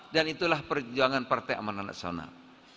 dan itulah perjuangan partai amanah nasional